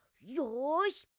よし！